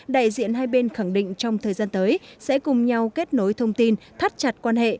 đại diện hai bên khẳng định trong thời gian tới sẽ cùng nhau kết nối thông tin thắt chặt quan hệ